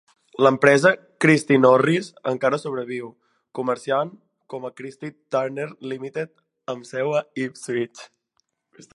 L'empresa Christy Norris encara sobreviu, comerciant com a Christy Turner Limited amb seu a Ipswich.